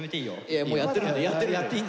いやもうやってる。